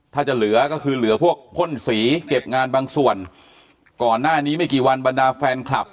ถ้าจะเหลือก็คือเหลือพวกพ่นสีเก็บงานบางส่วนก่อนหน้านี้ไม่กี่วันบรรดาแฟนคลับ